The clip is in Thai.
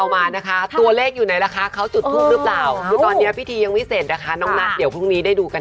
เมื่อสักครู่๗๘๓๓มา